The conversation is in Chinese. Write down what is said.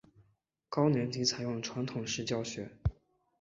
高年级采用传统式教学。